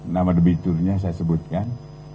nama debiturnya saya sebutkan